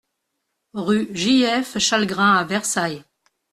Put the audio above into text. Rue J F Chalgrin à Versailles